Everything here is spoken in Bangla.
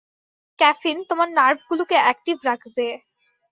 ক্যাফিন তোমার নার্ভগুলোকে অ্যাকটিভ রাখবে।